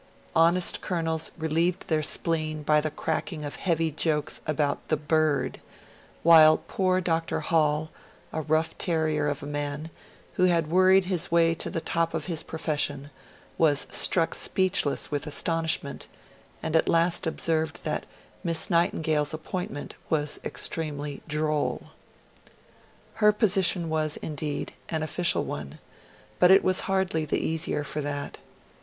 Honest Colonels relieved their spleen by the cracking of heavy jokes about 'the Bird'; while poor Dr. Hall, a rough terrier of a man, who had worried his way to the top of his profession, was struck speechless with astonishment, and at last observed that Miss Nightingale's appointment was extremely droll. Her position was, indeed, an official one, but it was hardly the easier for that.